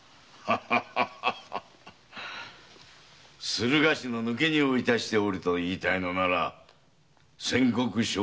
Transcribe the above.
駿河紙の抜け荷を致しておると言いたいのなら先刻承知だぞ。